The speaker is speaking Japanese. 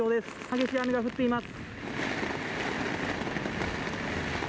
激しい雨が降っています。